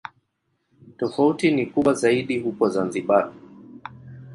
Tofauti ni kubwa zaidi huko Zanzibar.